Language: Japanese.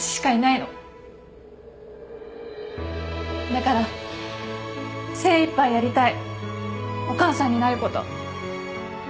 だから精いっぱいやりたいお母さんになること。